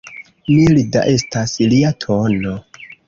Milda estas lia tono.